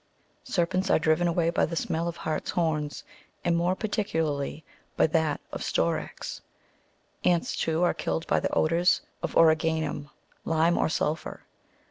Serpents are driven away by the smell of harts' horns, and more particularly by that of storax. Ants, too, are killed by the odours of origanum, lime, or sulphur.